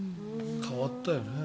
変わったよね。